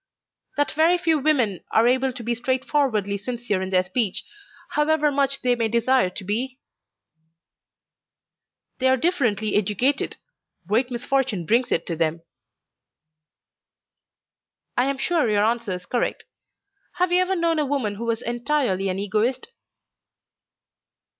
"That very few women are able to be straightforwardly sincere in their speech, however much they may desire to be?" "They are differently educated. Great misfortune brings it to them." "I am sure your answer is correct. Have you ever known a woman who was entirely an Egoist?"